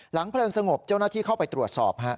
เพลิงสงบเจ้าหน้าที่เข้าไปตรวจสอบ